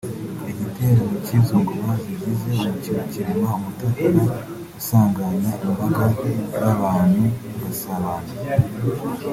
Igiterano cy’izo ngoma zigize umukino kirema Umutagara usanganya imbaga y’abantu bagasabana